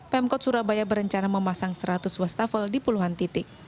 pemkot surabaya berencana memasang seratus wastafel di puluhan titik